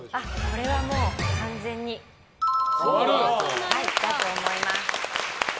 これはもう完全に○だと思います。